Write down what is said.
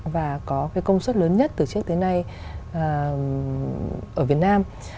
và có cái công suất lớn nhất từ trước tới nay ở việt nam